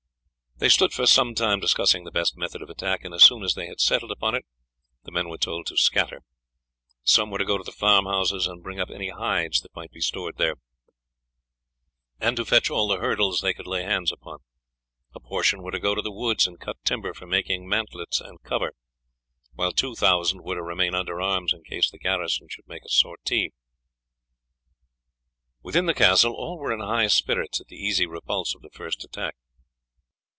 They stood for some time discussing the best method of attack, and as soon as they had settled upon it the men were told to scatter. Some were to go to the farmhouses, and bring up any hides that might be stored there, and to fetch all the hurdles they could lay hands upon; a portion were to go to the woods and cut timber for making mantlets and cover, while two thousand were to remain under arms in case the garrison should make a sortie. Within the castle all were in high spirits at the easy repulse of the first attack.